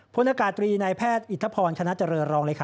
พลอากาศตรีนายแพทย์อิทธพรคณะเจริญรองเลยค่ะ